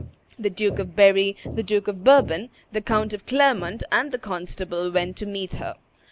The Duke of Berry, the Duke of Bourbon, the Count of Clermont, and the constable went to meet her.